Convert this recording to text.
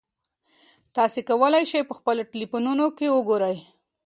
تاسي کولای شئ په خپلو ټیلیفونونو کې وګورئ.